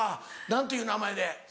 何という名前で？